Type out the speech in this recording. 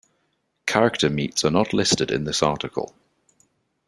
Character meets are not listed in this article.